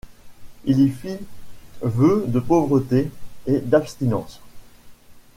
Il y fit vœux de pauvreté et d'abstinence.